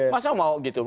masa mau gitu